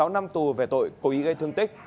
sáu năm tù về tội cố ý gây thương tích